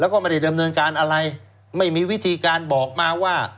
แล้วก็ไม่ได้ดำเนินการอะไรไม่มีวิธีการบอกมาว่า